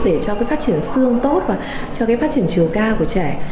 để cho phát triển xương tốt và phát triển chiều cao của trẻ